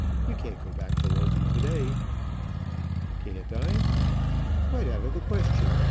You can't go back to London to day." "Can't I?" "Quite out of the question.